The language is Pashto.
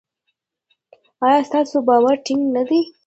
ایا ستاسو باور ټینګ نه دی؟